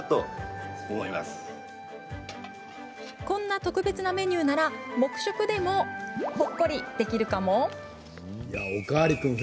こんな特別なメニューなら黙食でもほっこりできるかも。